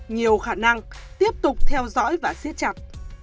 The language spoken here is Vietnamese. nhiều khả năng tiếp tục theo dõi và siết chặt